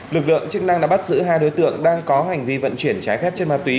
lực lượng chức năng đã bắt giữ hai đối tượng đang có hành vi vận chuyển trái phép trên ma túy